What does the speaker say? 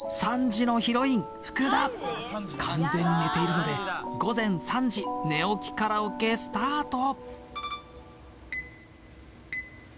３時のヒロイン・福田完全に寝ているので午前３時寝起きカラオケスタート